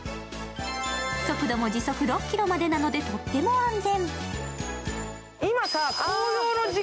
速度も時速６キロまでなので、とっても安全。